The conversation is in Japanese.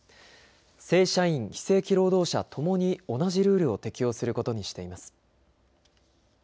正社員・非正規労働者ともに同じルールを適用することにしています。